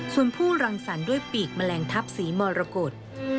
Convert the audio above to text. ส่วนผู้รังสรรค์ด้วยปีกแมลงทัพสีมรกฏ